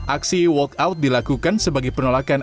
aksi walk out dilakukan sebagai penolakan